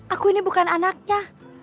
aku ini bukan anaknya